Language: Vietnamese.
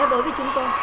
đối với chúng tôi